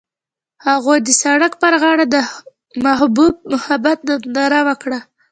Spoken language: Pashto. هغوی د سړک پر غاړه د محبوب محبت ننداره وکړه.